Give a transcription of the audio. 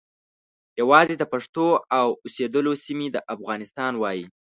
یوازې د پښتنو د اوسیدلو سیمې ته افغانستان وایي.